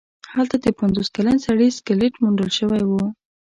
هلته د پنځوس کلن سړي سکلیټ موندل شوی و.